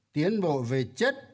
tiến bộ về chất